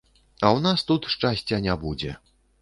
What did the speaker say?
А ў нас тут шчасця не будзе.